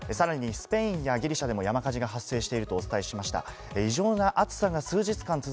さらに、スペインやギリシャでも山火事が発生してるとお伝えしました。